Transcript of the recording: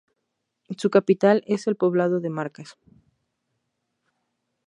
Su capital es el poblado de Marcas.